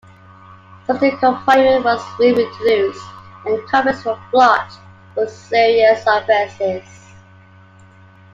Solitary confinement was re-introduced, and convicts were flogged for serious offences.